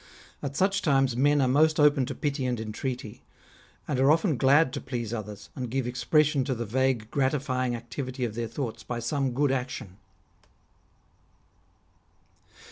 At such times men are most open to pity and entreaty, and are often glad to please others, and give expression to the vague gratifying activity of their thoughts by some good action."